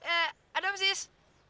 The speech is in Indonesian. eh ada apa sis